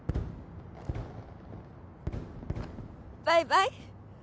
バイバイ。